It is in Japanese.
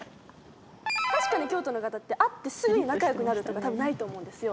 確かに京都の方って会ってすぐに仲良くなるとかたぶんないと思うんですよ。